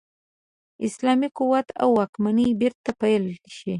اسلام قوت او واکمني بیرته پیل شي.